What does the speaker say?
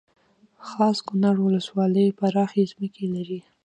خاص کونړ ولسوالۍ پراخې ځمکې لري